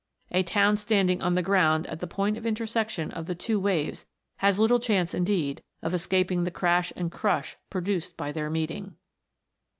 A town standing on the ground at the point of intersection of the two waves has little chance indeed of escaping the crash and crush pro duced by their meeting.